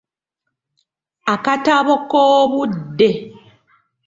Akatabo k'obudde.